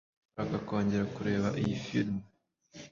Urashaka kongera kureba iyi firime?